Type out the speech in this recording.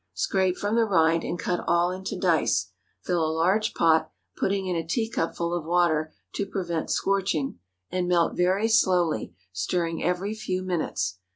Scrape from the rind, and cut all into dice. Fill a large pot, putting in a teacupful of water to prevent scorching, and melt very slowly, stirring every few minutes.